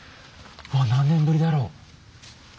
ああ何年ぶりだろう。